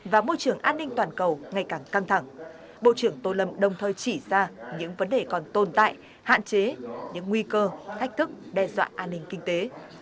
và môi trường an ninh toàn cầu ngày càng căng thẳng bộ trưởng tô lâm đồng thời chỉ ra những vấn đề còn tồn tại hạn chế những nguy cơ thách thức đe dọa an ninh kinh tế